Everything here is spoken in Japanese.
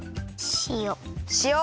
しお。